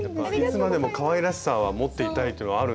いつまでもかわいらしさは持っていたいというのはあるんですよね。